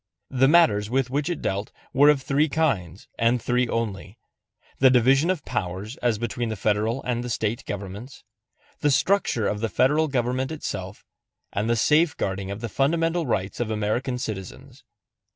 The matters with which it dealt were of three kinds, and three only the division of powers as between the Federal and the State governments, the structure of the Federal government itself, and the safeguarding of the fundamental rights of American citizens.